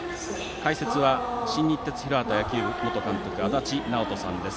解説は新日鉄広畑野球部元監督の足達尚人さんです。